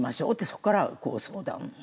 そこからこう相談。